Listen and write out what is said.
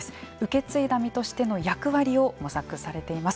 受け継いだ身としての役割を模索されています。